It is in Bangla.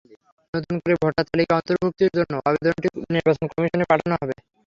নতুন করে ভোটার তালিকায় অন্তর্ভুক্তির জন্য আবেদনটি নির্বাচন কমিশনে পাঠানো হবে।